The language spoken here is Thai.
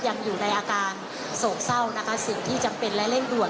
ยังอยู่ในอาการโศกเศร้านะคะสิ่งที่จำเป็นและเร่งด่วน